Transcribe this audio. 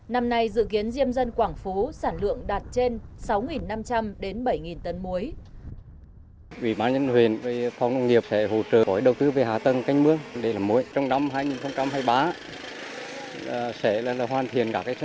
năm nay dự kiến diêm dân quảng phú sản lượng đạt trên sáu năm trăm linh đến bảy tấn muối